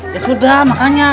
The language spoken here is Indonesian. ya sudah makanya